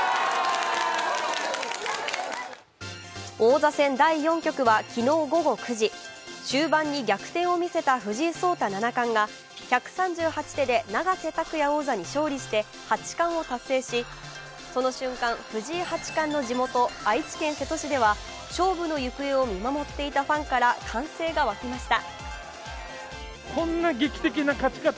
王座戦第４局は昨日午後９時、終盤に逆転を見せた藤井聡太七冠が１３８手で永瀬拓矢王座に勝利して、八冠を達成し、その瞬間、藤井八冠の地元、愛知県瀬戸市では勝負の行方を見守っていたファンから歓声が沸きました。